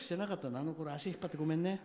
あのころ足を引っ張ってごめんね。